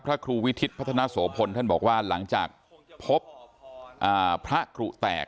ครูวิทิศพัฒนาโสพลท่านบอกว่าหลังจากพบพระกรุแตก